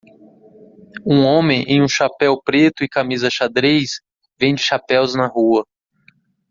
Um homem em um chapéu preto e camisa xadrez vende chapéus na rua